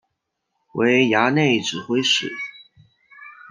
为衙内指挥使。